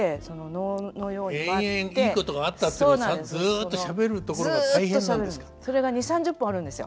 延々いいことがあったってことずっとしゃべるところが大変なんですか？